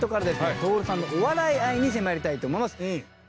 徹さんのお笑い愛に迫りたいと思います。